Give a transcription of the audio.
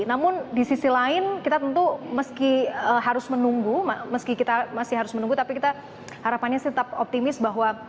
namun di sisi lain kita tentu meski harus menunggu meski kita masih harus menunggu tapi kita harapannya sih tetap optimis bahwa